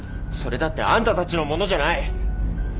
それだってあんたたちのものじゃない！